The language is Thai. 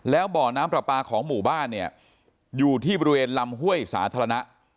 แล้วบ่อน้ำปลาปลาของหมู่บ้านเนี่ยอยู่ที่บริเวณลำห้วยสาธารณะ